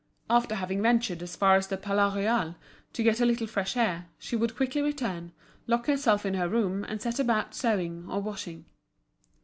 After having ventured as far as the Palais Royal, to get a little fresh air, she would quickly return, lock herself in her room and set about sewing or washing.